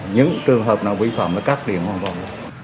những trường hợp nào vi phạm nó cắt điện hoàn toàn